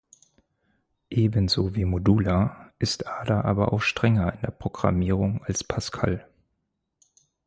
Ebenso wie Modula ist Ada aber auch strenger in der Programmierung als Pascal.